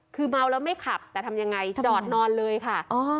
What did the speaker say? คือเมาแล้วไม่ขับแต่ทำยังไงจอดนอนเลยค่ะ